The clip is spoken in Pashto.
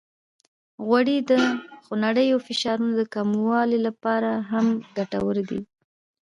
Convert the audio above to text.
غوړې د خونړیو فشارونو د کمولو لپاره هم ګټورې دي.